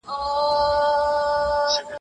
څېړونکي غواړي راتلونکې کې لویه کچه وینه جوړه کړي.